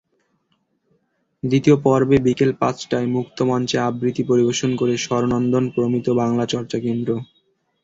দ্বিতীয় পর্বে বিকেল পাঁচটায় মুক্তমঞ্চে আবৃত্তি পরিবেশন করে স্বরনন্দন প্রমিত বাংলা চর্চা কেন্দ্র।